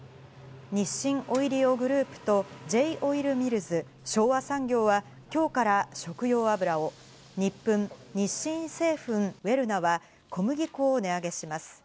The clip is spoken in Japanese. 日清オイリオグループとＪ−オイルミルズ、昭和産業は今日から食用油を、ニップン、日清製粉ウェルナは小麦粉を値上げします。